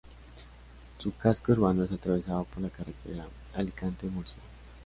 Su casco urbano es atravesado por la carretera Alicante-Murcia.